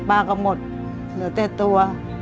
ป้าก็หมดเหลือแต่ตัว